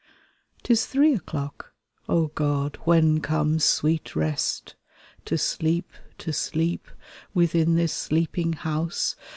Tis three o'clock! O God, when comes sweet rest? To sleep, to sleep, within this sleeping house.